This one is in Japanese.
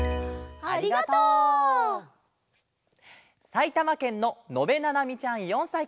さいたまけんののべななみちゃん４さいから。